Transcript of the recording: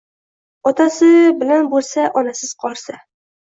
Otasi bilan bo’lsa, onasiz qolsa.